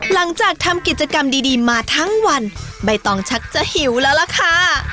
หลังจากทำกิจกรรมดีมาทั้งวันใบตองชักจะหิวแล้วล่ะค่ะ